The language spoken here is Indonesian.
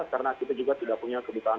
karena kita juga tidak punya kebutuhan